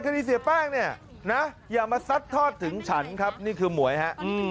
เสียแป้งเนี่ยนะอย่ามาซัดทอดถึงฉันครับนี่คือหมวยฮะ